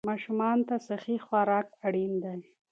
ماشومان ته صحي خوراک اړین دی.